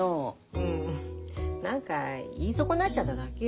うん何か言い損なっちゃっただけよ。